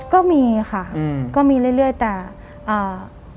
ก็มีค่ะอืมก็มีเรื่อยเรื่อยแต่อ่า